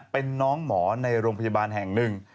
เป็นน้องหมอในโรงพยาบาลแห่งหนึ่ง